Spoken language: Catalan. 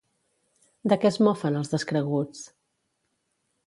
De què es mofen els descreguts?